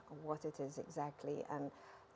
apa itu sebenarnya dan